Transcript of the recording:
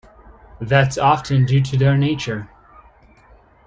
That's often due to their nature.